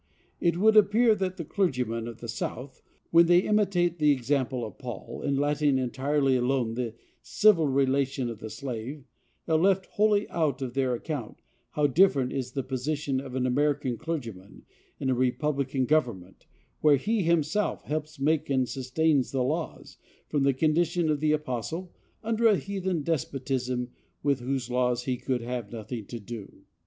It would appear that the clergymen of the South, when they imitate the example of Paul, in letting entirely alone the civil relation of the slave, have left wholly out of their account how different is the position of an American clergyman, in a republican government, where he himself helps make and sustain the laws, from the condition of the apostle, under a heathen despotism, with whose laws he could have nothing to do.